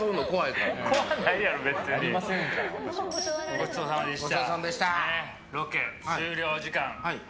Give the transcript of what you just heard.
ごちそうさまでした。